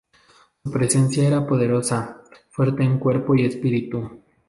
Su presencia era poderosa, fuerte en cuerpo y espíritu.